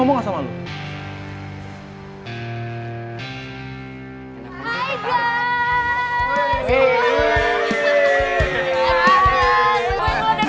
gue udah sakit juga